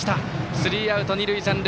スリーアウト、二塁残塁。